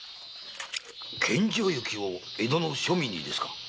献上雪を江戸の庶民にですか？